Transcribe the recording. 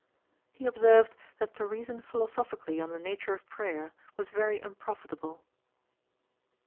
He observed, that to reason philosophically on the nature of prayer, was very unprofitable.